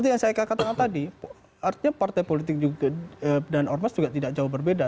kalau seperti tadi artinya partai politik dan ormas juga tidak jauh berbeda